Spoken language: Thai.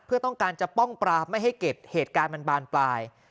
เพื่อต้องการจะป้องปราบไม่ให้เก็บเหตุการณ์มันบานปลาย